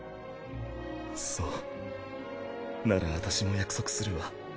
そうなら私も約束するわ。